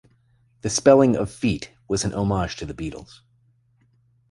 The spelling of "feat" was an homage to the Beatles.